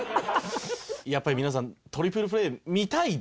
やっぱり皆さんトリプルプレー見たいですよね？